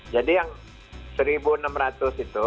jadi yang seribu enam ratus itu